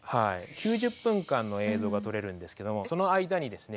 ９０分間の映像が撮れるんですけどもその間にですね